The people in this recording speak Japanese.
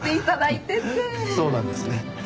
そうなんですね。